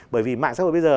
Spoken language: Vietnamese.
bởi vì mạng xã hội bây giờ